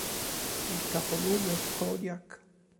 Il capoluogo è Kodiak.